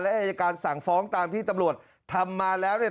อายการสั่งฟ้องตามที่ตำรวจทำมาแล้วเนี่ย